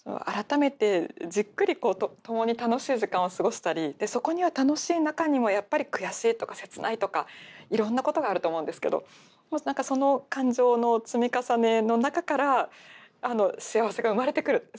改めてじっくりともに楽しい時間を過ごしたりそこには楽しい中にもやっぱり悔しいとか切ないとかいろんなことがあると思うんですけど何かその感情の積み重ねの中から幸せが生まれてくる。